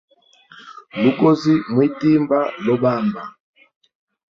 Lugozi mwitimba lobamba.